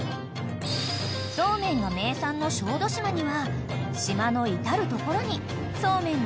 ［そうめんが名産の小豆島には島の至る所にそうめんの製麺